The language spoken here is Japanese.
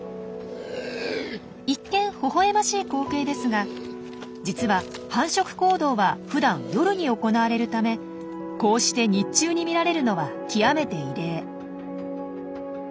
一見ほほえましい光景ですが実は繁殖行動はふだん夜に行われるためこうして日中に見られるのは極めて異例。